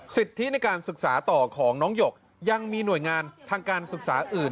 สิทธิในการศึกษาต่อของน้องหยกยังมีหน่วยงานทางการศึกษาอื่น